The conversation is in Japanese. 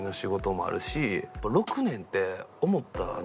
６年って思った。